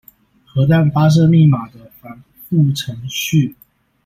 核彈發射密碼的繁複程序